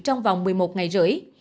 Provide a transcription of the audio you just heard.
trong vòng một mươi một ngày rưỡi